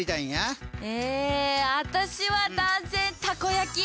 え私は断然たこ焼き！